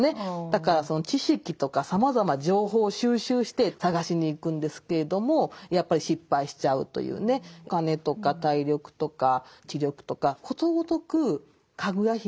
だからその知識とかさまざま情報を収集して探しに行くんですけれどもやっぱり失敗しちゃうというね。というきっとことなんでしょうね。